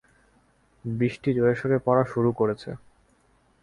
বৃষ্টি জোরেসোরে পড়া শুরু করেছে।